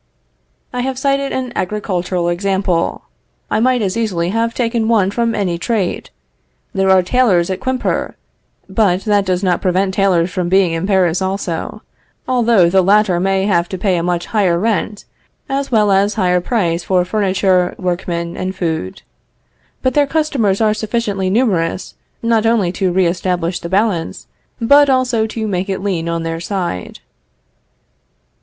I have cited an agricultural example; I might as easily have taken one from any trade. There are tailors at Quimper, but that does not prevent tailors from being in Paris also, although the latter have to pay a much higher rent, as well as higher price for furniture, workmen, and food. But their customers are sufficiently numerous not only to re establish the balance, but also to make it lean on their side.